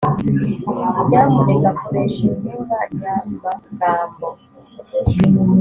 nyamuneka koresha inkoranyamagambo!